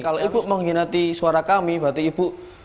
kalau ibu menghinati suara kami berarti ibu